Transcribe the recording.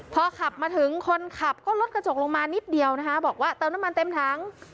พอขับมาถึงคนขับก็ลดกระจกลงมานิดเดียวนะคะบอกว่าเติมน้ำมันเต็มถัง